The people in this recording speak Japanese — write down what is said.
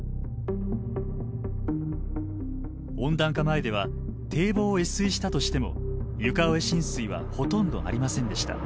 温暖化前では堤防を越水したとしても床上浸水はほとんどありませんでした。